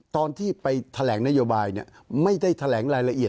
ตอนที่ไปแถลงนโยบายเนี่ย